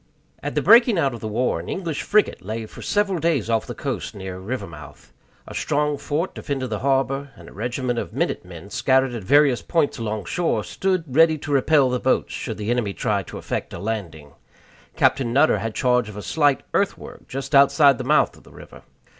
At the breaking out of the war, an English frigate lay for several days off the coast near Rivermouth. A strong fort defended the harbor, and a regiment of minute men, scattered at various points along shore, stood ready to repel the boats, should the enemy try to effect a landing. Captain Nutter had charge of a slight earthwork just outside the mouth of the river.